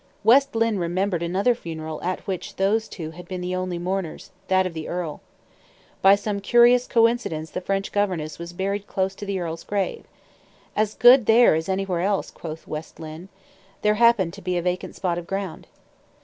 West Lynne remembered another funeral at which those two had been the only mourners that of the earl. By some curious coincidence the French governess was buried close to the earl's grave. As good there as anywhere else, quoth West Lynne. There happened to be a vacant spot of ground.